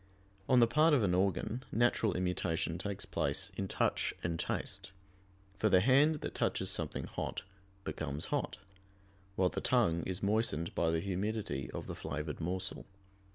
On the part of an organ, natural immutation takes place in touch and taste; for the hand that touches something hot becomes hot, while the tongue is moistened by the humidity of the flavored morsel.